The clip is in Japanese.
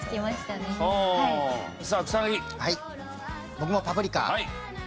僕も『パプリカ』。